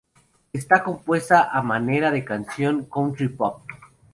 Está compuesta a manera de canción "country pop".